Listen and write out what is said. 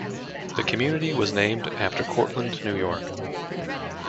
The community was named after Cortland, New York.